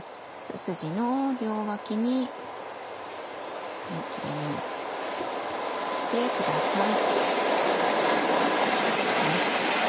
スジの両脇に切れ目を入れてください。